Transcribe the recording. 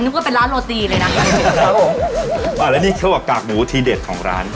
นึกว่าเป็นร้านโรตีเลยนะครับครับผมมาแล้วนี่เฉพาะกากหมูที่เด็ดของร้าน